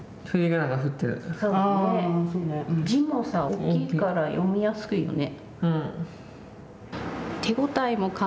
字もさ、大きいから読みやすいよね。